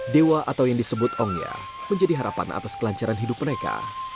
dewa atau yang disebut ongya menjadi harapan atas kelancaran hidup mereka